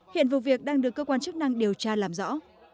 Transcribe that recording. hiện vụ việc đang được cơ quan chức năng điều tra làm rõ